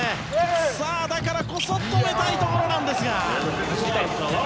だからこそ止めたいところなんですが。